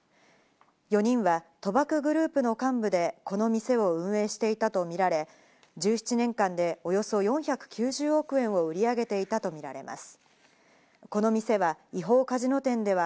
４人は賭博グループの幹部で、この店を運営していたとみられ、１７年間でおよそ４９０億円を売り上げていたと見られます。